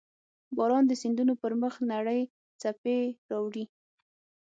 • باران د سیندونو پر مخ نرۍ څپې راوړي.